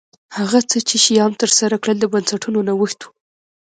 هغه څه چې شیام ترسره کړل د بنسټونو نوښت و